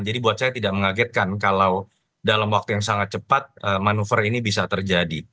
jadi buat saya tidak mengagetkan kalau dalam waktu yang sangat cepat manuver ini bisa terjadi